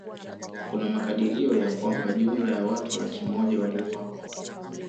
Kuna makadirio ya kwamba jumla ya watu laki moja waliuawa